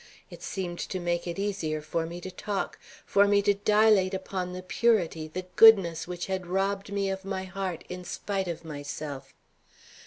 It seemed to make it easier for me to talk; for me to dilate upon the purity, the goodness which had robbed me of my heart in spite of myself.